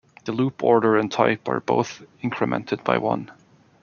The loop order and type are both incremented by one.